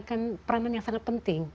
ini adalah peranan yang sangat penting